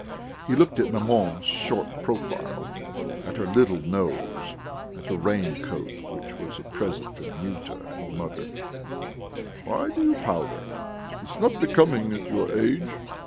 He looked at maman's sharp profile, at her little nose, and at the raincoat which was a present from Nyuta, and muttered: "Why do you powder? It's not becoming at your age!